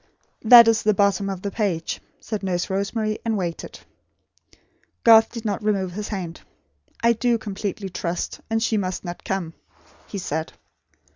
"That is the bottom of the page," said Nurse Rosemary; and waited. Garth did not remove his hand. "I do completely trust; and she must not come," he said.